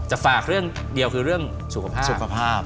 จะฝากก็เรื่องสุขภาพ